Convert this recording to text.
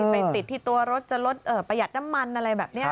ไปติดที่ตัวรถจะลดประหยัดน้ำมันอะไรแบบนี้